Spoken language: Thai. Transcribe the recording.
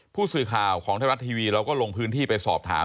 ผู้สื่อข่าวของไทยรัฐทีวีเราก็ลงพื้นที่ไปสอบถาม